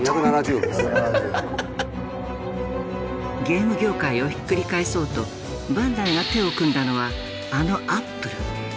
ゲーム業界をひっくり返そうとバンダイが手を組んだのはあのアップル。